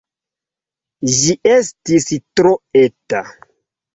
Ĝi estis tro eta.